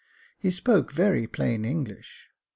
He spoke very plain English.